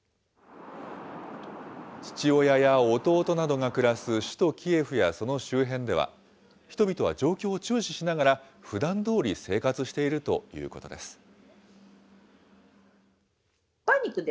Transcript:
父親や弟などが暮らす首都キエフやその周辺では、人々は状況を注視しながら、ふだんどおり生活しているということです。